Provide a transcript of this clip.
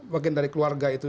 bagian dari keluarga itu